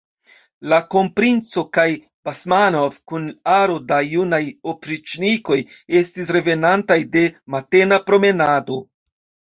La kronprinco kaj Basmanov kun aro da junaj opriĉnikoj estis revenantaj de matena promenado.